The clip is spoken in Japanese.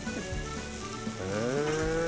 へえ。